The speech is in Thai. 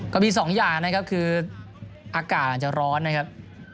ก็มีสองอย่างนะครับคืออากาศอาจจะร้อนนะครับ